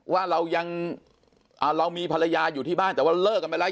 ว่าเรายังเรามีภรรยาอยู่ที่บ้านแต่ว่าเลิกกันไปแล้ว